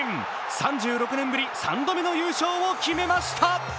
３６年ぶり３度目の優勝を決めました